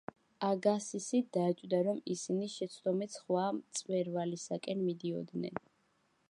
აგასისი დაეჭვდა, რომ ისინი შეცდომით სხვა მწვერვალისკენ მიდიოდნენ.